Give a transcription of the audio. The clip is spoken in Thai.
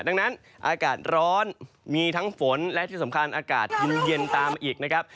ดังนั้นอากาศร้อนมีทั้งฝนและที่สำคัญอากาศเย็นตามมาอีกนะครับ